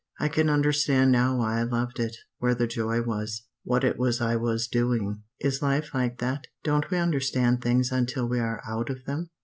I can understand now why I loved it; where the joy was; what it was I was doing. "Is life like that? Don't we understand things until we are out of them?